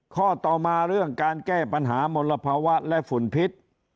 ข้อต่อมาเรื่องการแก้ปัญหามลภาวะและฝุ่นพิษ